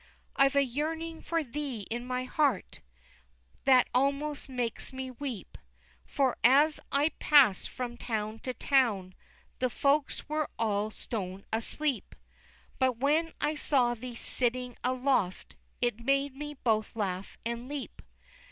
XI. "I've a yearning for thee in my heart That almost makes me weep, For as I pass'd from town to town The folks were all stone asleep, But when I saw thee sitting aloft, It made me both laugh and leap!"